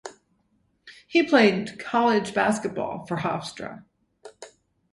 He played college basketball for Hofstra.